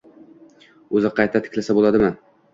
— Uzi, qayta tiklasa bo‘ladimi?